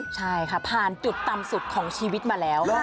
ใช่ค่ะผ่านจุดต่ำสุดของชีวิตมาแล้ว